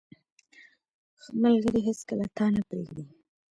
• ښه ملګری هیڅکله تا نه پرېږدي.